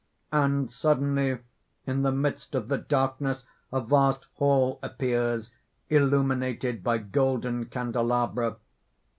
_ _And suddenly in the midst of the darkness a vast hall appears, illuminated by golden candelabra.